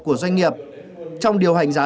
của doanh nghiệp trong điều hành giá